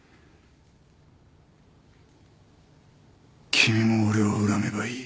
君も俺を恨めばいい。